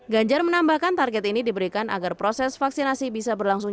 ganjar menambahkan target ini diberikan agar proses vaksinasi bisa berlangsung